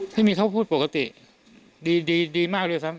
ไม่มีเขาพูดปกติดีมากด้วยซ้ำ